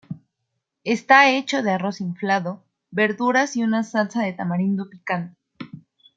Está hecho de arroz inflado, verduras y una salsa de tamarindo picante.